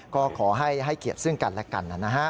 ก็ขอให้เกียรติซึ่งกันและกันนะฮะ